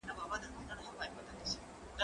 زه کولای سم ونې ته اوبه ورکړم،